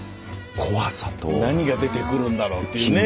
何が出てくるんだろう？っていうね。